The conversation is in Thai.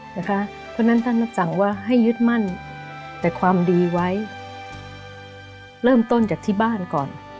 เพราะฉะนั้นท่านรับสั่งว่าให้ยึดมั่นแต่ความดีไว้เริ่มต้นจากที่บ้านก่อน